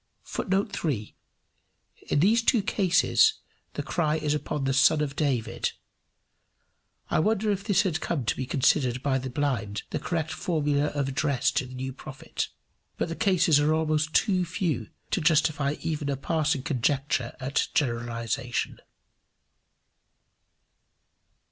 [Footnote 3: In these two cases, the cry is upon the Son of David: I wonder if this had come to be considered by the blind the correct formula of address to the new prophet. But the cases are almost too few to justify even a passing conjecture at generalization.